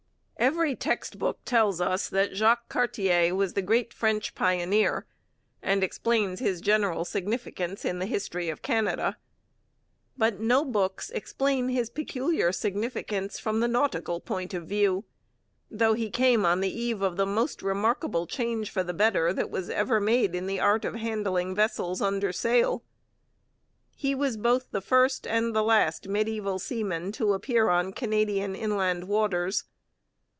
Every text book tells us that Jacques Cartier was the great French pioneer and explains his general significance in the history of Canada. But no books explain his peculiar significance from the nautical point of view, though he came on the eve of the most remarkable change for the better that was ever made in the art of handling vessels under sail. He was both the first and the last mediaeval seaman to appear on Canadian inland waters.